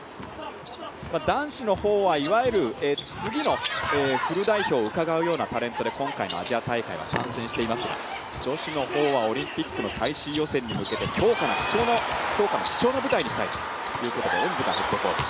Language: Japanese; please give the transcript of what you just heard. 男子の方はいわゆる次のフル代表を伺うようなタレントで今回のアジア大会は参戦していますが女子の方は、オリンピックの最終予選に向けて今日を貴重な舞台にしたいと恩塚ヘッドコーチ。